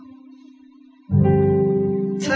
เธอหัวใจ